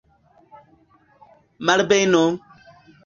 Malbeno!